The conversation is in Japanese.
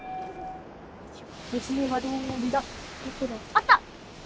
あった！